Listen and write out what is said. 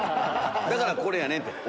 だからこれやねんて。